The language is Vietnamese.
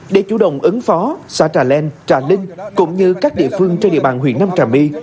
để chủ động ứng phó xã trà len trà linh cũng như các địa phương trên địa bàn huyện nam trà my